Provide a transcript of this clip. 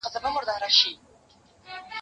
زه به د يادښتونه بشپړ کړي وي